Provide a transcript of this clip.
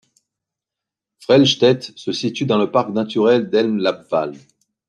Frellstedt se situe dans le parc naturel d'Elm-Lappwald.